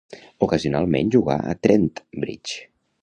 Ocasionalment jugà a Trent Bridge.